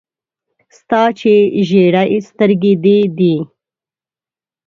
ستا چي ژېري سترګي دې دي .